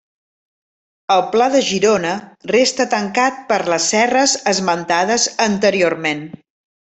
El pla de Girona resta tancat per les serres esmentades anteriorment.